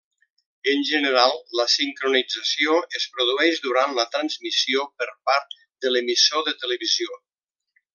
En general, la sincronització es produeix durant la transmissió per part de l’emissor de televisió.